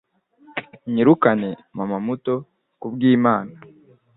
Unyirukane, mama muto, kubwImana!